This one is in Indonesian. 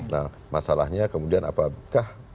nah masalahnya kemudian apakah